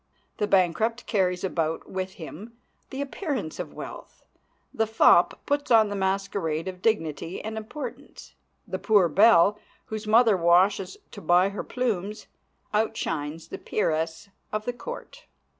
The bankrupt carries about with him the appearance of wealth. The fop puts on the masquerade of dignity and importance. The poor belle, whose mother washes to buy her plumes, outshines the peeress of the court.